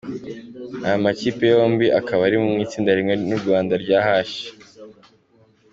Aya makipe yombi akaba ari mu itsinda rimwe n’u Rwanda rya H.